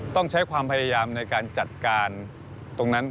ต้องใช้ความพยายามในการจัดการตรงนั้น